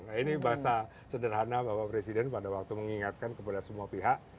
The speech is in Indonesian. nah ini bahasa sederhana bapak presiden pada waktu mengingatkan kepada semua pihak